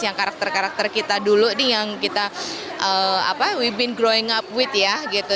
yang karakter karakter kita dulu nih yang kita we ben growing up with ya gitu